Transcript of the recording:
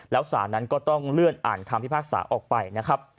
แล้วสารนั้นก็ต้องเลื่อนอ่านคำพิพากษาออกไปนะครับ